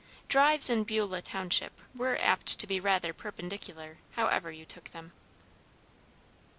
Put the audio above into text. Drives in Beulah township were apt to be rather perpendicular, however you took them.